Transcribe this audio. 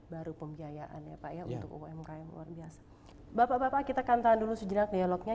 baru pembiayaan ya pak ya untuk umkm luar biasa bapak bapak kita akan tahan dulu sejenak dialognya